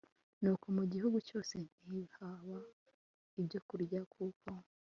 nuko mu gihugu cyose ntihaba ibyokurya kuko